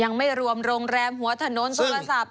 ยังไม่รวมโรงแรมหัวถนนโทรศัพท์